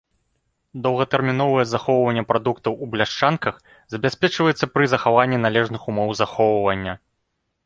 Доўгатэрміновае захоўванне прадуктаў у бляшанках забяспечваецца пры захаванні належных умоў захоўвання.